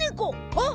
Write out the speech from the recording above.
あっ！